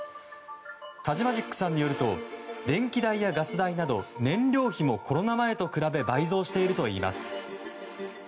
タジマジックさんによると電気代やガス代など燃料費もコロナ前と比べ倍増しているといいます。